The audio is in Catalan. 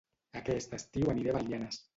Aquest estiu aniré a Belianes